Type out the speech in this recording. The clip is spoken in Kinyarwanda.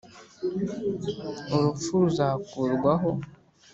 Urupfu ruzakurwaho